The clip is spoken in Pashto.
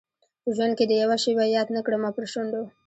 په ژوند کي دي یوه شېبه یاد نه کړمه پر شونډو